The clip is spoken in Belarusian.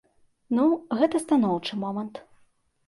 Ну, гэта станоўчы момант.